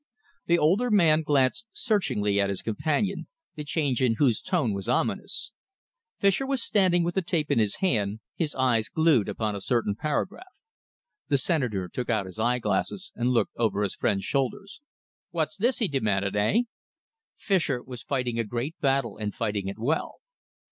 The older man glanced searchingly at his companion, the change in whose tone was ominous. Fischer was standing with the tape in his hand, his eyes glued upon a certain paragraph. The Senator took out his eyeglasses and looked over his friend's shoulder. "What's this?" he demanded. "Eh?" Fischer was fighting a great battle and fighting it well.